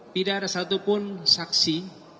tidak ada satupun saksi